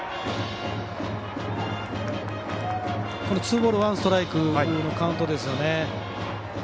このツーボールワンストライクのカウントですね。